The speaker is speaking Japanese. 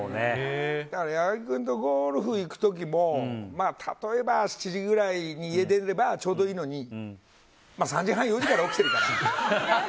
だから、矢作君とゴルフ行く時も例えば７時ぐらいに家出ればちょうどいいのに３時半、４時から起きてるから。